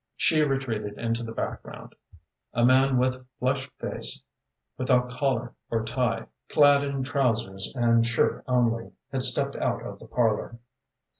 She retreated into the background. A man with flushed face, without collar or tie, clad in trousers and shirt only, had stepped out of the parlour.